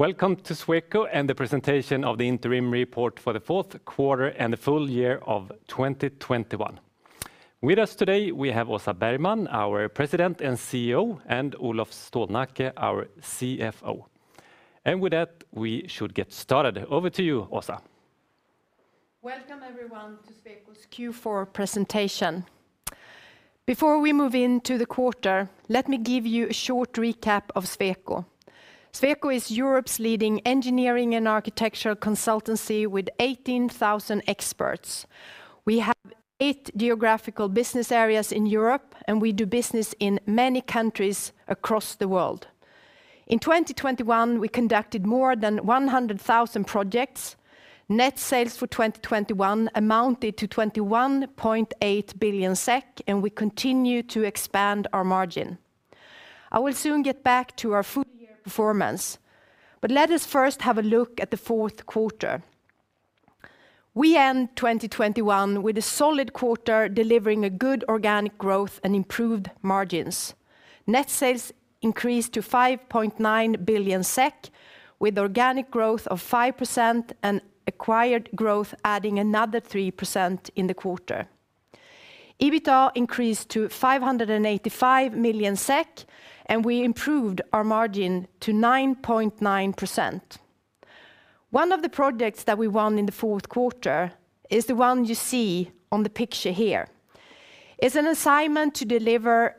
Welcome to Sweco and the presentation of the interim report for the fourth quarter and the full year of 2021. With us today, we have Åsa Bergman, our President and CEO, and Olof Stålnacke, our CFO. With that, we should get started. Over to you, Åsa. Welcome, everyone, to Sweco's Q4 presentation. Before we move into the quarter, let me give you a short recap of Sweco. Sweco is Europe's leading engineering and architectural consultancy with 18,000 experts. We have eight geographical business areas in Europe, and we do business in many countries across the world. In 2021, we conducted more than 100,000 projects. Net sales for 2021 amounted to 21.8 billion SEK, and we continue to expand our margin. I will soon get back to our full year performance, but let us first have a look at the fourth quarter. We end 2021 with a solid quarter, delivering a good organic growth and improved margins. Net sales increased to 5.9 billion SEK, with organic growth of 5% and acquired growth adding another 3% in the quarter. EBITA increased to 585 million SEK, and we improved our margin to 9.9%. One of the projects that we won in the fourth quarter is the one you see on the picture here. It's an assignment to deliver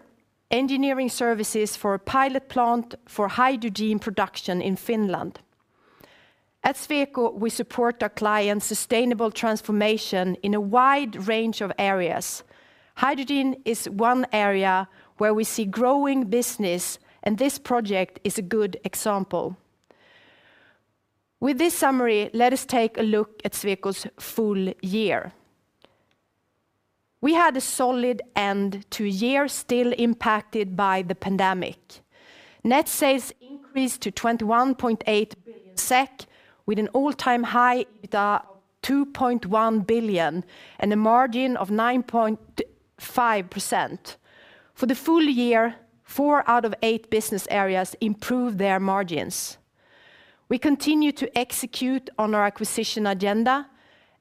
engineering services for a pilot plant for hydrogen production in Finland. At Sweco, we support our clients' sustainable transformation in a wide range of areas. Hydrogen is one area where we see growing business, and this project is a good example. With this summary, let us take a look at Sweco's full year. We had a solid end to a year still impacted by the pandemic. Net sales increased to 21.8 billion SEK, with an all-time high EBITA of 2.1 billion and a margin of 9.5%. For the full year, four out of eight business areas improved their margins. We continued to execute on our acquisition agenda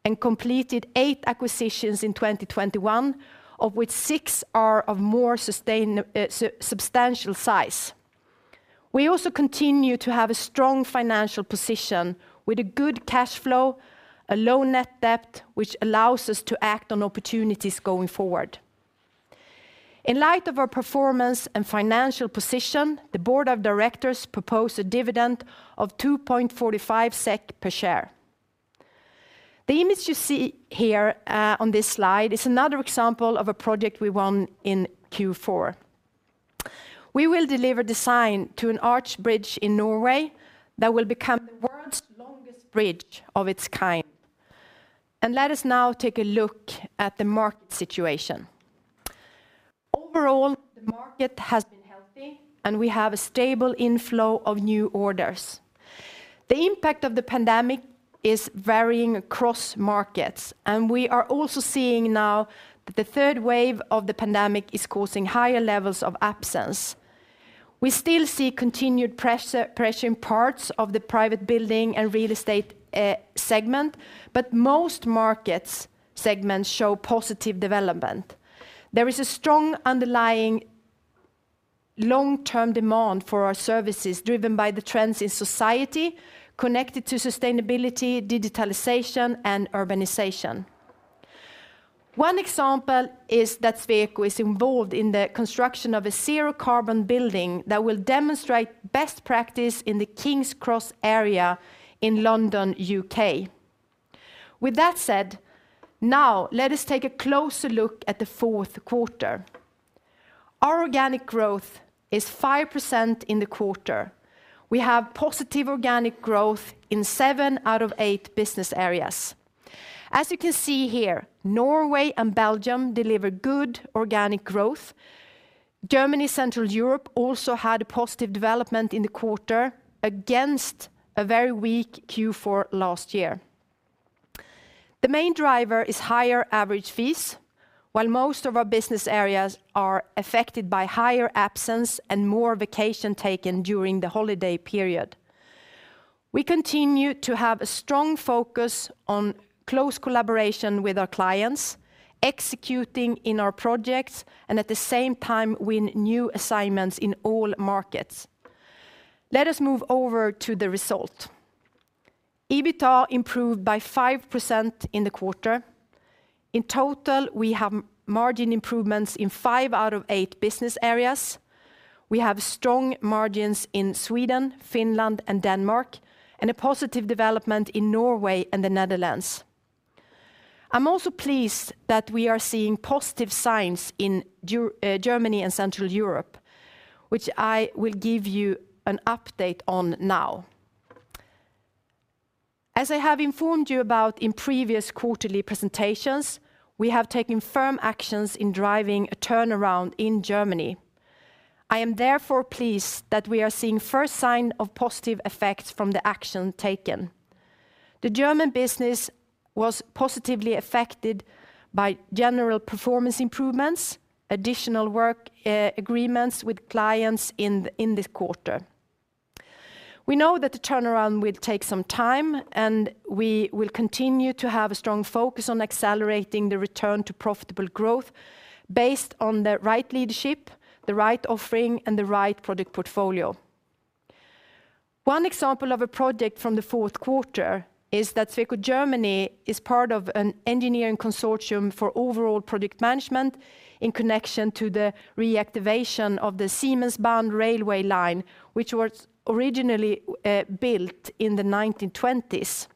and completed eight acquisitions in 2021, of which six are of more substantial size. We also continue to have a strong financial position with a good cash flow, a low net debt, which allows us to act on opportunities going forward. In light of our performance and financial position, the board of directors proposed a dividend of 2.45 SEK per share. The image you see here on this slide is another example of a project we won in Q4. We will deliver design to an arch bridge in Norway that will become the world's longest bridge of its kind. Let us now take a look at the market situation. Overall, the market has been healthy, and we have a stable inflow of new orders. The impact of the pandemic is varying across markets, and we are also seeing now that the third wave of the pandemic is causing higher levels of absence. We still see continued pressure in parts of the private building and real estate segment, but most market segments show positive development. There is a strong underlying long-term demand for our services driven by the trends in society connected to sustainability, digitalization, and urbanization. One example is that Sweco is involved in the construction of a zero-carbon building that will demonstrate best practice in the King's Cross area in London, U.K. With that said, now let us take a closer look at the fourth quarter. Our organic growth is 5% in the quarter. We have positive organic growth in seven out of eight business areas. As you can see here, Norway and Belgium deliver good organic growth. Germany, Central Europe also had a positive development in the quarter against a very weak Q4 last year. The main driver is higher average fees, while most of our business areas are affected by higher absence and more vacation taken during the holiday period. We continue to have a strong focus on close collaboration with our clients, executing in our projects, and at the same time, win new assignments in all markets. Let us move over to the result. EBITA improved by 5% in the quarter. In total, we have margin improvements in five out of eight business areas. We have strong margins in Sweden, Finland, and Denmark, and a positive development in Norway and the Netherlands. I'm also pleased that we are seeing positive signs in Germany and Central Europe, which I will give you an update on now. As I have informed you about in previous quarterly presentations, we have taken firm actions in driving a turnaround in Germany. I am therefore pleased that we are seeing first sign of positive effects from the action taken. The German business was positively affected by general performance improvements, additional work, agreements with clients in this quarter. We know that the turnaround will take some time, and we will continue to have a strong focus on accelerating the return to profitable growth based on the right leadership, the right offering, and the right product portfolio. One example of a project from the fourth quarter is that Sweco Germany is part of an engineering consortium for overall project management in connection to the reactivation of the Siemensbahn railway line, which was originally built in the 1920s.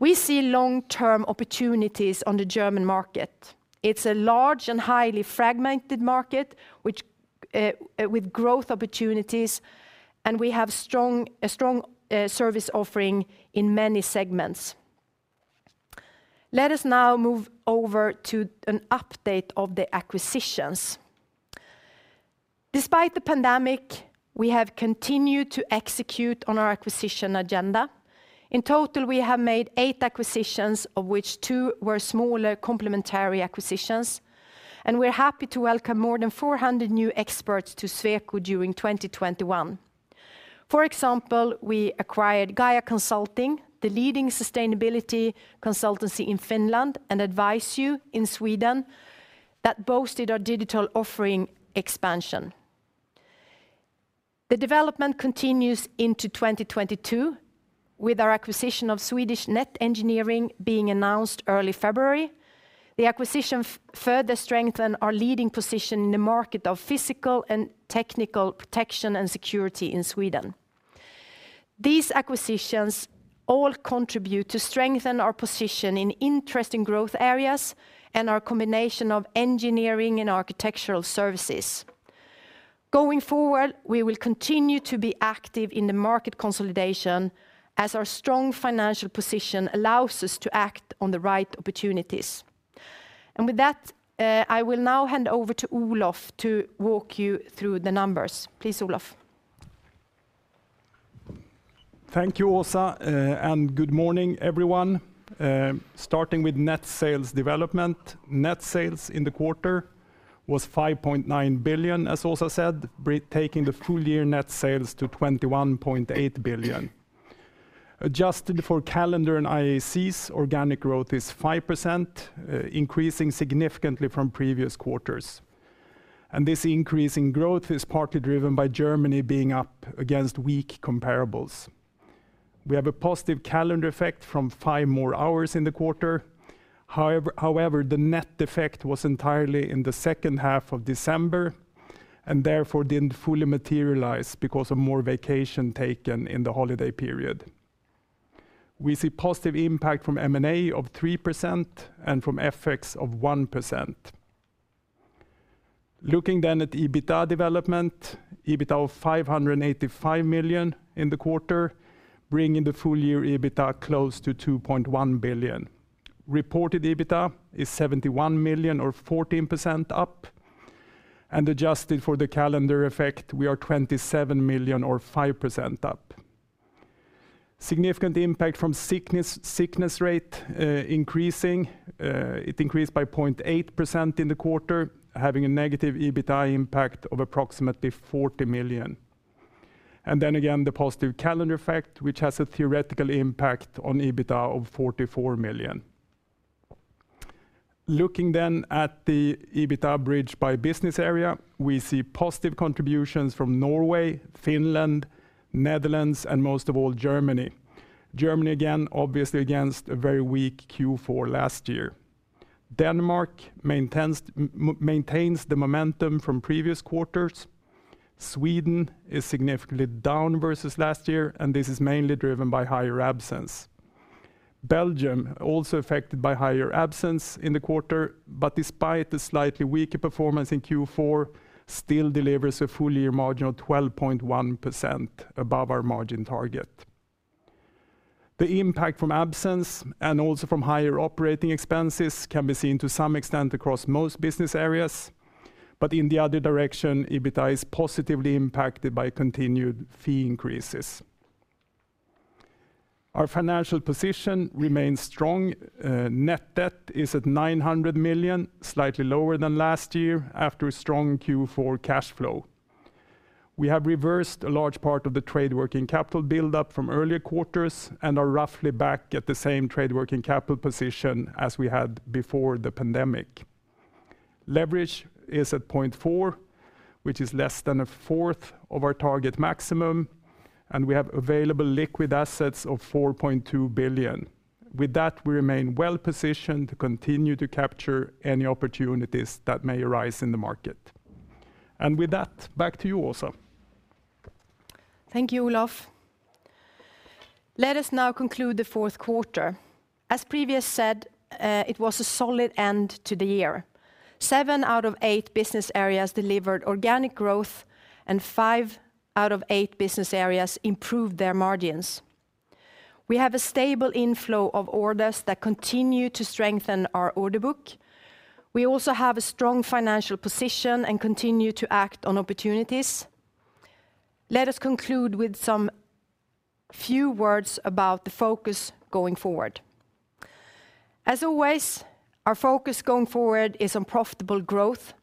We see long-term opportunities on the German market. It's a large and highly fragmented market which, with growth opportunities, and we have a strong service offering in many segments. Let us now move over to an update of the acquisitions. Despite the pandemic, we have continued to execute on our acquisition agenda. In total, we have made eight acquisitions, of which two were smaller complementary acquisitions, and we're happy to welcome more than 400 new experts to Sweco during 2021. For example, we acquired Gaia Consulting, the leading sustainability consultancy in Finland, and AdviceU in Sweden that boosted our digital offering expansion. The development continues into 2022 with our acquisition of Swedish Net Engineering being announced early February. The acquisition further strengthen our leading position in the market of physical and technical protection and security in Sweden. These acquisitions all contribute to strengthen our position in interesting growth areas and our combination of engineering and architectural services. Going forward, we will continue to be active in the market consolidation as our strong financial position allows us to act on the right opportunities. With that, I will now hand over to Olof to walk you through the numbers. Please, Olof. Thank you, Åsa, and good morning, everyone. Starting with net sales development. Net sales in the quarter was 5.9 billion, as Åsa said, taking the full year net sales to 21.8 billion. Adjusted for calendar and IAC, organic growth is 5%, increasing significantly from previous quarters, and this increase in growth is partly driven by Germany being up against weak comparables. We have a positive calendar effect from 5 more hours in the quarter. However, the net effect was entirely in the second half of December and therefore didn't fully materialize because of more vacation taken in the holiday period. We see positive impact from M&A of 3% and from FX of 1%. Looking then at EBITA development, EBITA of 585 million in the quarter, bringing the full year EBITA close to 2.1 billion. Reported EBITA is 71 million or 14% up, and adjusted for the calendar effect, we are 27 million or 5% up. Significant impact from sickness rate increasing. It increased by 0.8% in the quarter, having a negative EBITA impact of approximately 40 million. The positive calendar effect which has a theoretical impact on EBITA of 44 million. Looking then at the EBITA bridge by business area, we see positive contributions from Norway, Finland, Netherlands, and most of all, Germany. Germany, again, obviously against a very weak Q4 last year. Denmark maintains the momentum from previous quarters. Sweden is significantly down versus last year, and this is mainly driven by higher absence. Belgium also affected by higher absence in the quarter, but despite the slightly weaker performance in Q4, still delivers a full year margin of 12.1% above our margin target. The impact from absence and also from higher operating expenses can be seen to some extent across most business areas, but in the other direction, EBITA is positively impacted by continued fee increases. Our financial position remains strong. Net debt is at 900 million, slightly lower than last year after a strong Q4 cash flow. We have reversed a large part of the trade working capital buildup from earlier quarters and are roughly back at the same trade working capital position as we had before the pandemic. Leverage is at 0.4, which is less than a fourth of our target maximum, and we have available liquid assets of 4.2 billion. With that, we remain well-positioned to continue to capture any opportunities that may arise in the market. With that, back to you, Åsa. Thank you, Olof. Let us now conclude the fourth quarter. As previously said, it was a solid end to the year. Seven out of eight business areas delivered organic growth, and five out of eight business areas improved their margins. We have a stable inflow of orders that continue to strengthen our order book. We also have a strong financial position and continue to act on opportunities. Let us conclude with some few words about the focus going forward. As always, our focus going forward is on profitable growth.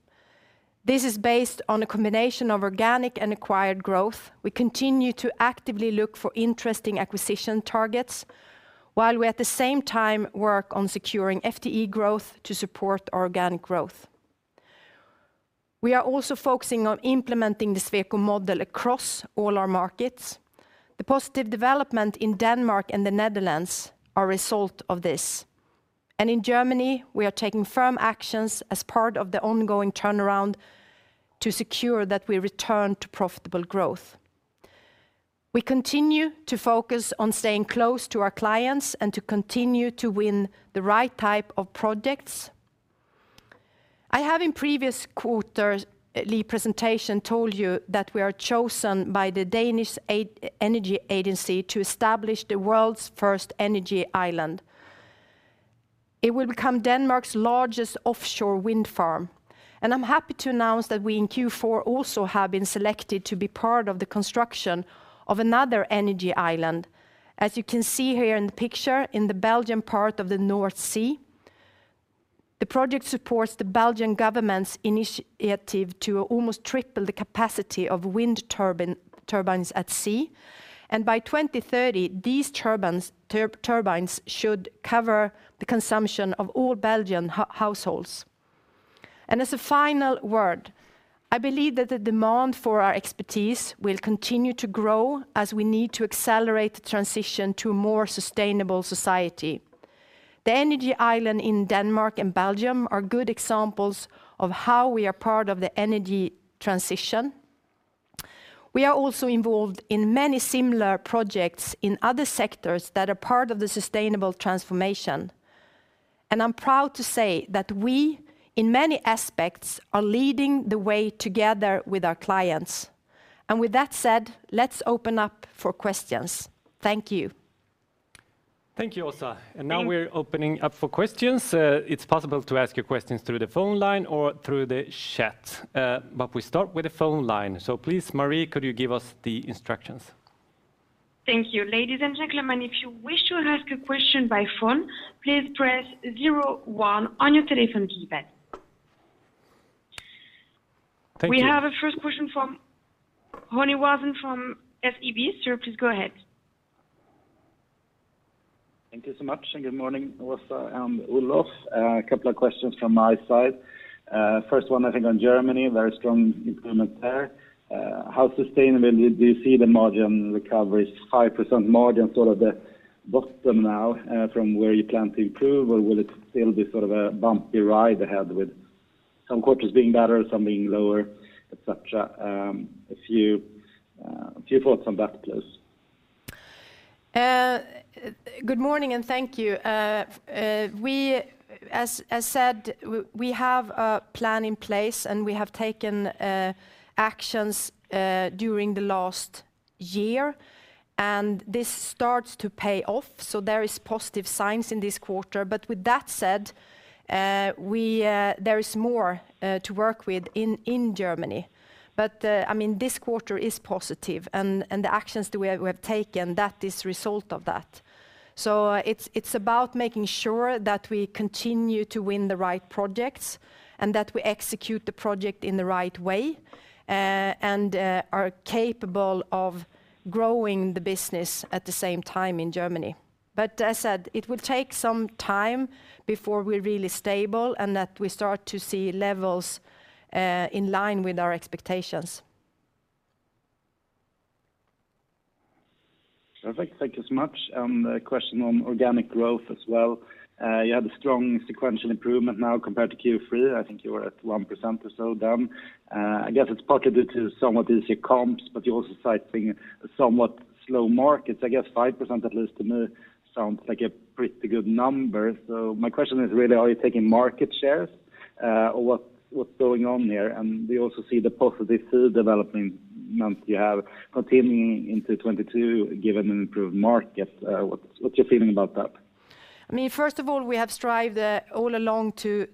This is based on a combination of organic and acquired growth. We continue to actively look for interesting acquisition targets while we, at the same time, work on securing FTE growth to support organic growth. We are also focusing on implementing the Sweco Model across all our markets. The positive development in Denmark and the Netherlands are a result of this. In Germany, we are taking firm actions as part of the ongoing turnaround to secure that we return to profitable growth. We continue to focus on staying close to our clients and to continue to win the right type of projects. I have, in previous quarterly presentation, told you that we are chosen by the Danish Energy Agency to establish the world's first energy island. It will become Denmark's largest offshore wind farm, and I'm happy to announce that we, in Q4, also have been selected to be part of the construction of another energy island, as you can see here in the picture, in the Belgian part of the North Sea. The project supports the Belgian government's initiative to almost triple the capacity of wind turbines at sea. By 2030, these turbines should cover the consumption of all Belgian households. As a final word, I believe that the demand for our expertise will continue to grow as we need to accelerate the transition to a more sustainable society. The energy island in Denmark and Belgium are good examples of how we are part of the energy transition. We are also involved in many similar projects in other sectors that are part of the sustainable transformation, and I'm proud to say that we, in many aspects, are leading the way together with our clients. With that said, let's open up for questions. Thank you. Thank you, Åsa. Thank- Now we're opening up for questions. It's possible to ask your questions through the phone line or through the chat, but we start with the phone line. Please, Marie, could you give us the instructions? Thank you. Ladies and gentlemen, if you wish to ask a question by phone, please press zero one on your telephone keypad. Thank you. We have a first question from Ronnie Wastén from SEB. Sir, please go ahead. Thank you so much, and good morning, Åsa and Olof. A couple of questions from my side. First one, I think on Germany, very strong improvement there. How sustainable do you see the margin recovery? 5% margin, sort of the bottom now, from where you plan to improve, or will it still be sort of a bumpy ride ahead with some quarters being better, some being lower, et cetera? A few thoughts on that, please. Good morning, and thank you. As said, we have a plan in place, and we have taken actions during the last year, and this starts to pay off, so there is positive signs in this quarter. With that said, there is more to work with in Germany. I mean, this quarter is positive, and the actions that we have taken, that is result of that. It's about making sure that we continue to win the right projects and that we execute the project in the right way, and are capable of growing the business at the same time in Germany. As said, it will take some time before we're really stable and that we start to see levels in line with our expectations. Perfect. Thank you so much. A question on organic growth as well. You had a strong sequential improvement now compared to Q3. I think you were at 1% or so down. I guess it's partly due to somewhat easier comps, but you're also citing a somewhat slow markets. I guess 5%, at least to me, sounds like a pretty good number. My question is really, are you taking market shares, or what's going on there? We also see the positive good development you have continuing into 2022, given an improved market. What's your feeling about that? I mean, first of all, we have strived all along to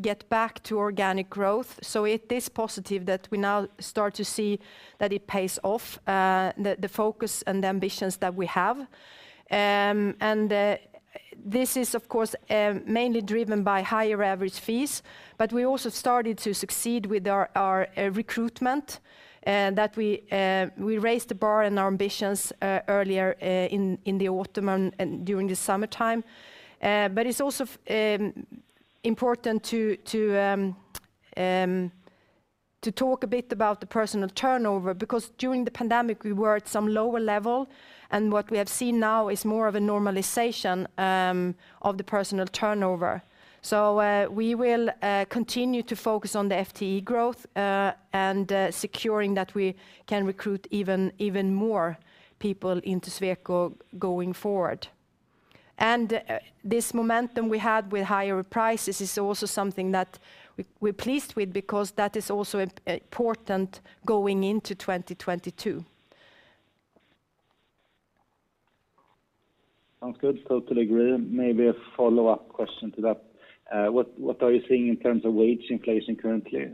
get back to organic growth, so it is positive that we now start to see that it pays off. The focus and the ambitions that we have. This is, of course, mainly driven by higher average fees, but we also started to succeed with our recruitment that we raised the bar and our ambitions earlier in the autumn and during the summertime. It's also important to talk a bit about the personnel turnover because during the pandemic, we were at some lower level, and what we have seen now is more of a normalization of the personnel turnover. We will continue to focus on the FTE growth, and securing that we can recruit even more people into Sweco going forward. This momentum we had with higher prices is also something that we're pleased with because that is also important going into 2022. Sounds good. Totally agree. Maybe a follow-up question to that. What are you seeing in terms of wage inflation currently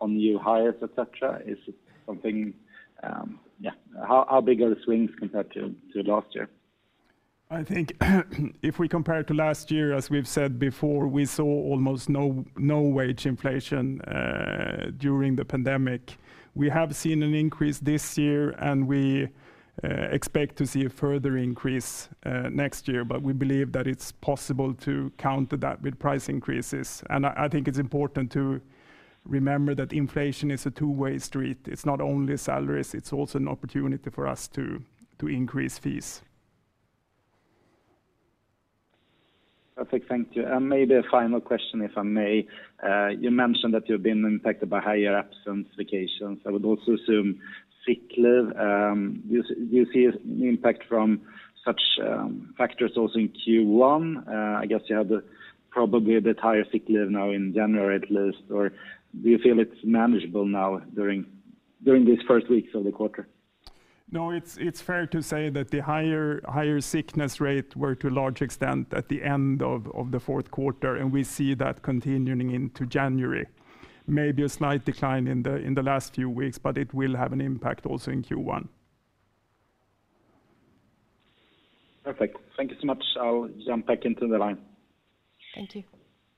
on new hires, et cetera? Is it something. How big are the swings compared to last year? I think if we compare to last year, as we've said before, we saw almost no wage inflation during the pandemic. We have seen an increase this year, and we expect to see a further increase next year. We believe that it's possible to counter that with price increases. I think it's important to remember that inflation is a two-way street. It's not only salaries, it's also an opportunity for us to increase fees. Perfect. Thank you. Maybe a final question, if I may. You mentioned that you've been impacted by higher absence, vacations. I would also assume sick leave. Do you see an impact from such factors also in Q1? I guess you have the, probably a bit higher sick leave now in January at least. Or do you feel it's manageable now during these first weeks of the quarter? No, it's fair to say that the higher sickness rate were to a large extent at the end of the fourth quarter, and we see that continuing into January. Maybe a slight decline in the last few weeks, but it will have an impact also in Q1. Perfect. Thank you so much. I'll jump back into the line. Thank you.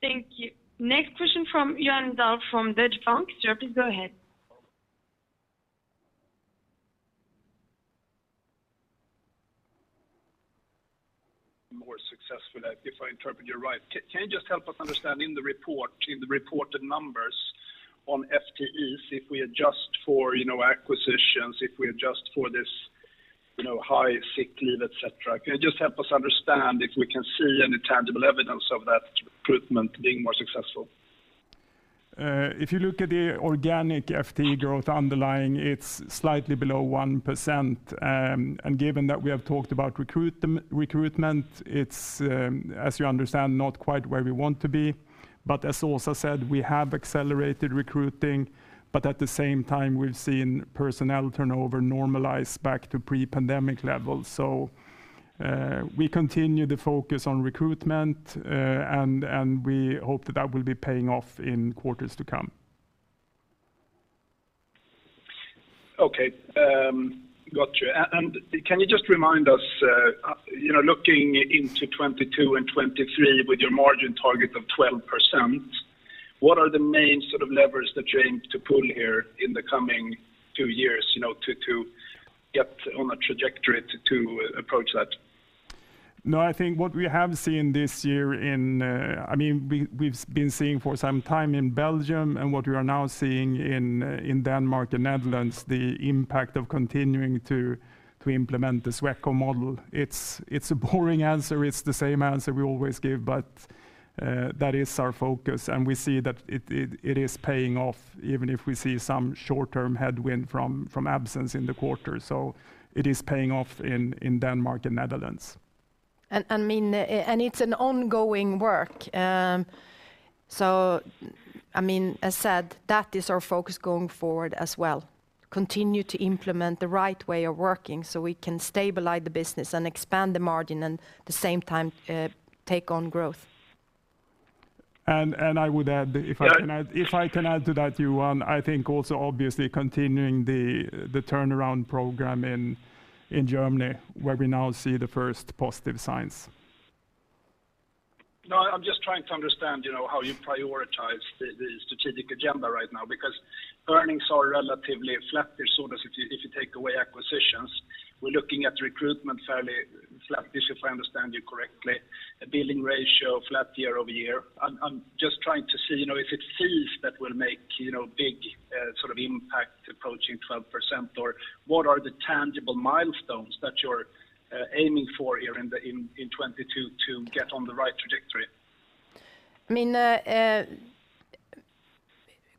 Thank you. Next question from Johan Dahl from Danske Bank. Sir, please go ahead. More successful at, if I interpret you right. Can you just help us understand in the report, in the reported numbers on FTEs, if we adjust for, you know, acquisitions, if we adjust for this, you know, high sick leave, et cetera. Can you just help us understand if we can see any tangible evidence of that recruitment being more successful? If you look at the organic FTE growth underlying, it's slightly below 1%. Given that we have talked about recruitment, it's, as you understand, not quite where we want to be. As Åsa said, we have accelerated recruiting, but at the same time, we've seen personnel turnover normalize back to pre-pandemic levels. We continue the focus on recruitment, and we hope that will be paying off in quarters to come. Okay. Got you. Can you just remind us, you know, looking into 2022 and 2023 with your margin target of 12%, what are the main sort of levers that you aim to pull here in the coming two years, you know, to get on a trajectory to approach that? No, I think what we have seen this year, I mean, we've been seeing for some time in Belgium and what we are now seeing in Denmark and Netherlands, the impact of continuing to implement the Sweco Model. It's a boring answer. It's the same answer we always give, but that is our focus, and we see that it is paying off even if we see some short-term headwind from absence in the quarter. It is paying off in Denmark and Netherlands. I mean, it's an ongoing work. I mean, as said, that is our focus going forward as well, continue to implement the right way of working so we can stabilize the business and expand the margin and at the same time, take on growth. I would add, if I can add. Yeah if I can add to that, Johan, I think also obviously continuing the turnaround program in Germany, where we now see the first positive signs. No, I'm just trying to understand, you know, how you prioritize the strategic agenda right now because earnings are relatively flattish, so if you take away acquisitions. We're looking at recruitment fairly flattish, if I understand you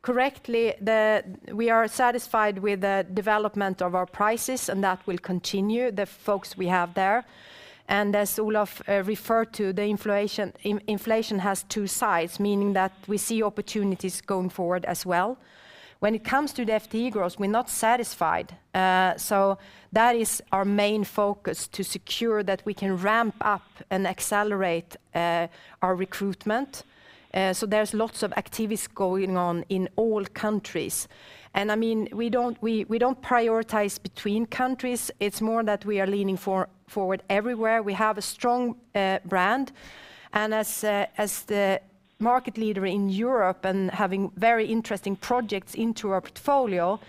correctly. A billing ratio flat year-over-year. I'm just trying to see, you know, if it's fees that will make, you know, big sort of impact approaching 12%, or what are the tangible milestones that you're aiming for here in 2022 to get on the right trajectory? I mean, we are satisfied with the development of our prices, and that will continue, the focus we have there. As Olof referred to the inflation has two sides, meaning that we see opportunities going forward as well. When it comes to the FTE growth, we're not satisfied. That is our main focus to secure that we can ramp up and accelerate, our recruitment. There's lots of activities going on in all countries. I mean, we don't prioritize between countries. It's more that we are leaning forward everywhere. We have a strong brand, and as the market leader in Europe and having very interesting projects in our portfolio,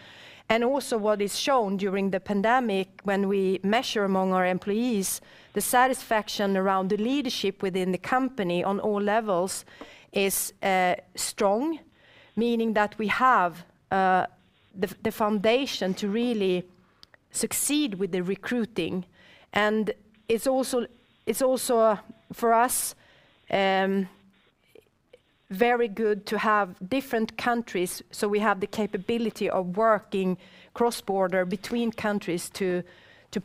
and also what is shown during the pandemic when we measure among our employees, the satisfaction around the leadership within the company on all levels is strong, meaning that we have the foundation to really succeed with the recruiting. It's also for us very good to have different countries, so we have the capability of working cross-border between countries to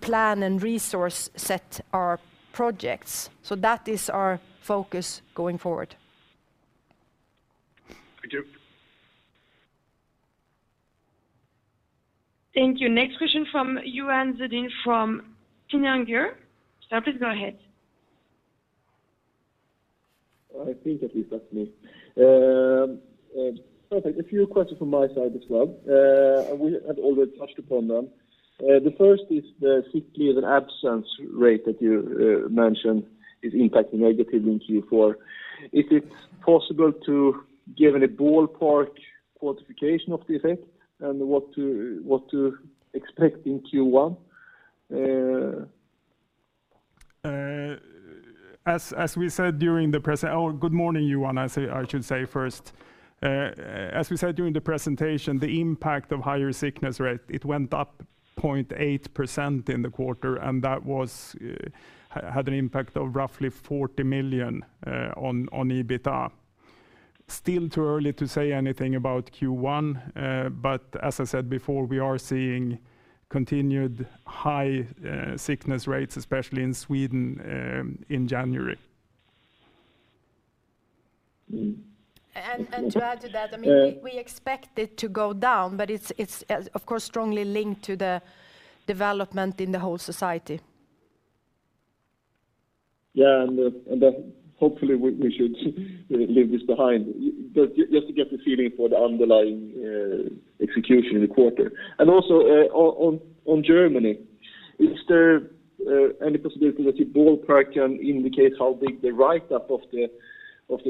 plan and resource set our projects. That is our focus going forward. Thank you. Thank you. Next question from Johan Sjödin from Finansgör. Sir, please go ahead. I think at least that's me. Perfect. A few questions from my side as well. We have already touched upon them. The first is the sick leave and absence rate that you mentioned is impacting negative in Q4. If it's possible to give any ballpark quantification of the effect and what to expect in Q1? Good morning, Johan. I should say first. As we said during the presentation, the impact of higher sickness rate. It went up 0.8% in the quarter, and that had an impact of roughly 40 million on EBITA. Still too early to say anything about Q1. As I said before, we are seeing continued high sickness rates, especially in Sweden, in January. Mm. To add to that, I mean, we expect it to go down, but it's of course strongly linked to the development in the whole society. Yeah. Hopefully, we should leave this behind. Just to get the feeling for the underlying execution in the quarter. Also, on Germany, is there any possibility that you ballpark can indicate how big the write-up of the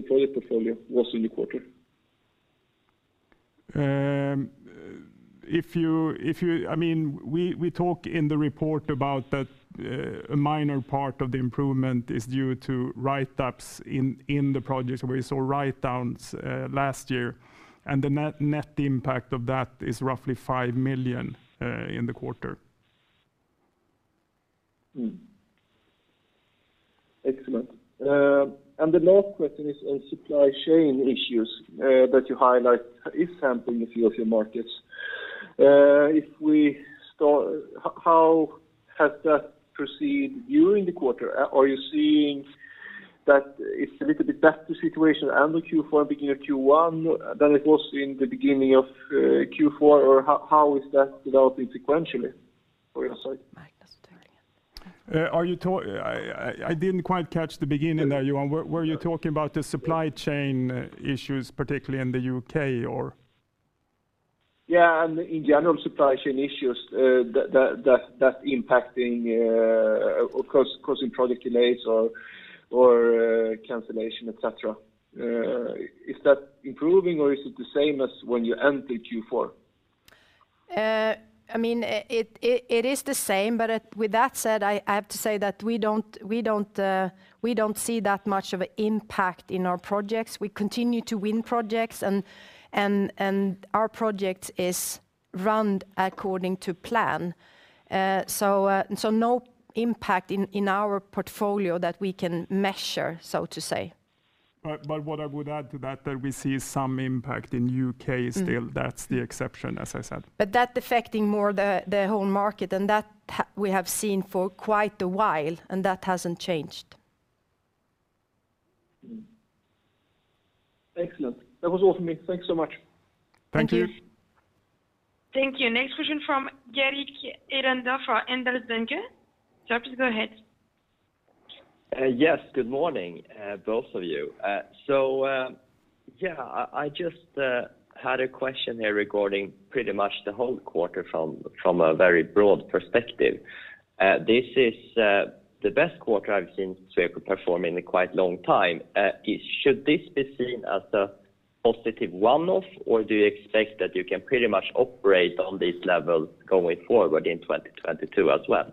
project portfolio was in the quarter? I mean, we talk in the report about that, a minor part of the improvement is due to write-ups in the projects where we saw write-downs last year, and the net impact of that is roughly 5 million in the quarter. Excellent. The last question is on supply chain issues that you highlight is hampering a few of your markets. How has that proceeded during the quarter? Are you seeing that it's a little bit better situation end of Q4, beginning of Q1 than it was in the beginning of Q4? How is that developing sequentially for your side? Magnus. I didn't quite catch the beginning there, Johan. Were you talking about the supply chain issues, particularly in the U.K. or? Yeah, in general supply chain issues that impacting or causing product delays or cancellation, et cetera. Is that improving or is it the same as when you ended Q4? I mean, it is the same, with that said, I have to say that we don't see that much of impact in our projects. We continue to win projects and our project is run according to plan. No impact in our portfolio that we can measure, so to say. What I would add to that we see some impact in U.K. still. That's the exception, as I said. That's affecting more the whole market, and that we have seen for quite a while, and that hasn't changed. Mm-hmm. Excellent. That was all for me. Thanks so much. Thank you. Thank you. Thank you. Next question from Erik Elander for Handelsbanken. Sir, please go ahead. Yes, good morning, both of you. Yeah, I just had a question here regarding pretty much the whole quarter from a very broad perspective. This is the best quarter I've seen Sweco perform in a quite long time. Should this be seen as a +1-off, or do you expect that you can pretty much operate on this level going forward in 2022 as well?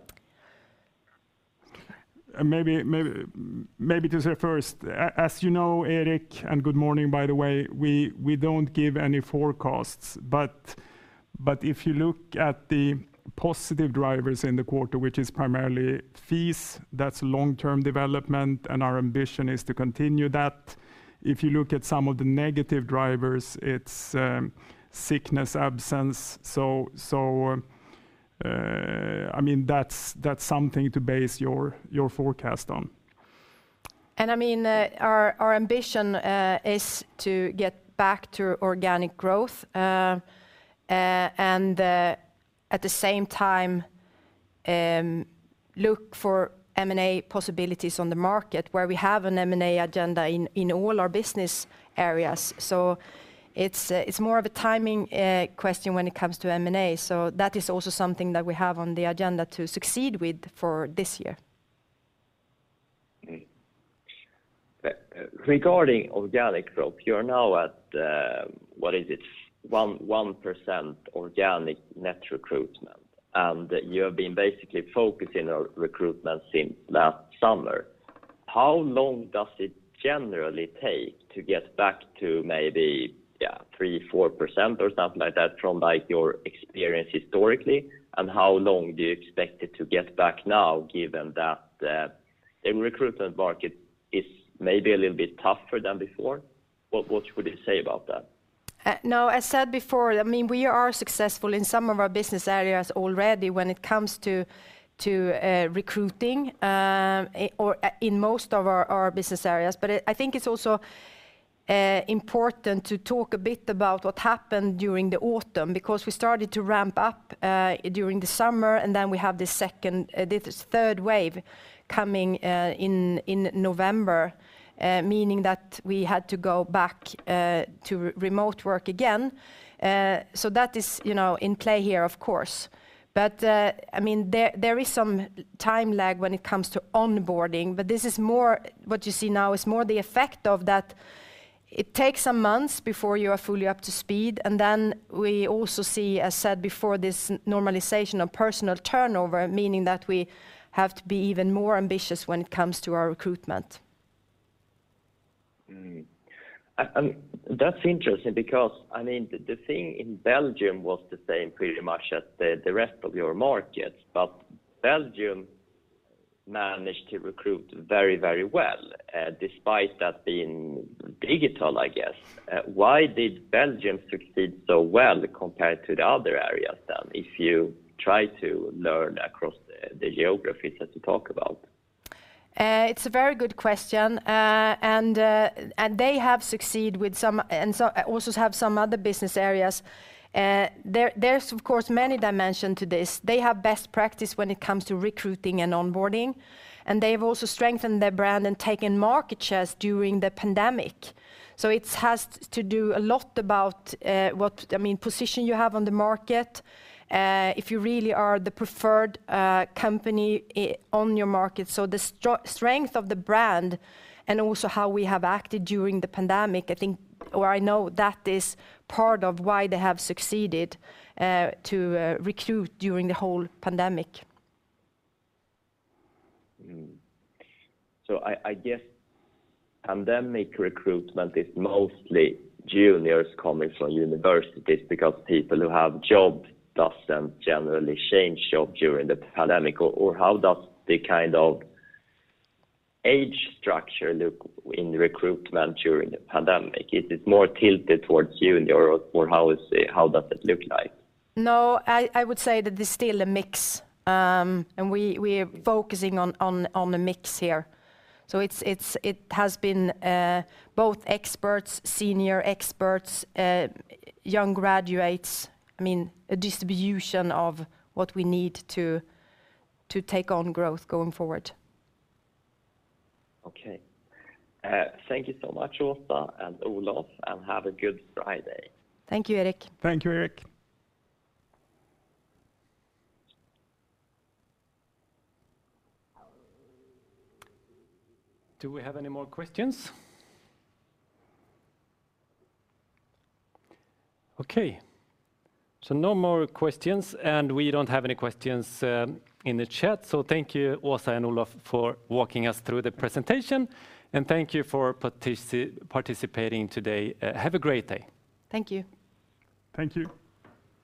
Maybe to say first, as you know, Erik, and good morning, by the way, we don't give any forecasts. If you look at the positive drivers in the quarter, which is primarily fees, that's long-term development, and our ambition is to continue that. If you look at some of the negative drivers, it's sickness absence. I mean, that's something to base your forecast on. I mean, our ambition is to get back to organic growth and at the same time look for M&A possibilities on the market where we have an M&A agenda in all our business areas. It's more of a timing question when it comes to M&A. That is also something that we have on the agenda to succeed with for this year. Regarding organic growth, you are now at what is it? 1% organic net recruitment, and you have been basically focusing on recruitment since last summer. How long does it generally take to get back to maybe three, four percent or something like that from, like, your experience historically? How long do you expect it to get back now, given that the recruitment market is maybe a little bit tougher than before? What would you say about that? No, as said before, I mean, we are successful in some of our business areas already when it comes to recruiting, or in most of our business areas. I think it's also important to talk a bit about what happened during the autumn, because we started to ramp up during the summer, and then we have the second, this third wave coming in November, meaning that we had to go back to remote work again. So that is, you know, in play here, of course. I mean, there is some time lag when it comes to onboarding, but this is more what you see now is more the effect of that it takes some months before you are fully up to speed. We also see, as said before, this normalization of personnel turnover, meaning that we have to be even more ambitious when it comes to our recruitment. That's interesting because, I mean, the thing in Belgium was the same pretty much as the rest of your markets. Belgium managed to recruit very, very well, despite that being digital, I guess. Why did Belgium succeed so well compared to the other areas then, if you try to learn across the geographies that you talk about? It's a very good question. They have succeeded with some, and so also have some other business areas. There's of course many dimensions to this. They have best practice when it comes to recruiting and onboarding, and they've also strengthened their brand and taken market shares during the pandemic. It has to do a lot about, I mean, position you have on the market, if you really are the preferred company on your market. The strength of the brand and also how we have acted during the pandemic, I think, or I know that is part of why they have succeeded to recruit during the whole pandemic. I guess pandemic recruitment is mostly juniors coming from universities because people who have job doesn't generally change job during the pandemic. Or how does the kind of age structure look in recruitment during the pandemic? Is it more tilted towards junior or how does it look like? No, I would say that there's still a mix. We are focusing on a mix here. It has been both experts, senior experts, young graduates. I mean, a distribution of what we need to take on growth going forward. Okay. Thank you so much, Åsa and Olof, and have a good Friday. Thank you, Eric. Thank you, Eric. Do we have any more questions? Okay. No more questions, and we don't have any questions in the chat. Thank you, Åsa and Olof, for walking us through the presentation, and thank you for participating today. Have a great day. Thank you. Thank you.